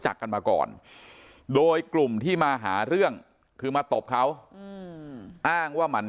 จากกันมาก่อนโดยกลุ่มที่มาหาเรื่องคือมาตบเขาอ้างว่ามัน